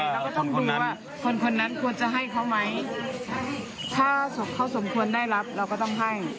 เราก็ต้องดูว่าคนคนนั้นควรจะให้เขาไหมถ้าเขาสมควรได้รับเราก็ต้องให้